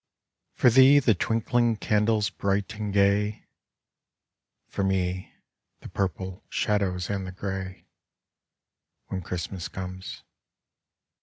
For thee, the twinkling candles bright and gay, For me, the purple shadows and the grey, When Christmas comes.